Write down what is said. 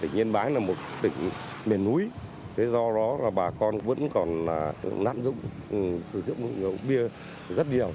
định yên bái là một tỉnh miền núi do đó bà con vẫn còn nắm dụng sử dụng rượu bia rất nhiều